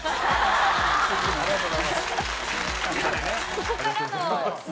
そこからのね。